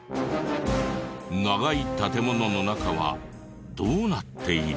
長い建物の中はどうなっている？